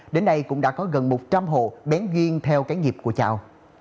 đến nay cũng đã có gần một trăm linh hồ bén duyên theo cái nghiệp của cháu